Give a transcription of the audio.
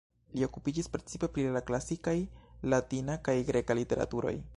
Li okupiĝis precipe pri la klasikaj latina kaj greka literaturoj.